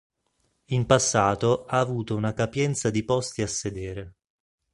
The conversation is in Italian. In passato ha avuto una capienza di posti a sedere.